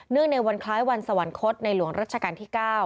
ในวันคล้ายวันสวรรคตในหลวงรัชกาลที่๙